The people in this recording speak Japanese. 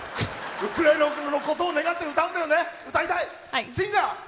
ウクライナのことを願って歌うんだよね、シンガー。